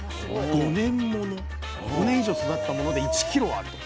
５年以上育ったもので１ｋｇあると。